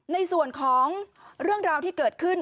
ในส่วนของเรื่องราวที่เกิดขึ้น